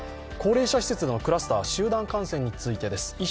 高齢者施設のクラスター、集団感染についてです。